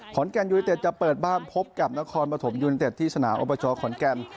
ขอนแก่นยูนิเตศจะเปิดบ้านพบกับนครปฐมยูนิเตศที่สนาอุปจรขอนแก่น